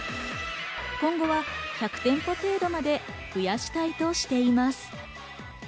今後は１００店舗程度まで増やしたいとしています。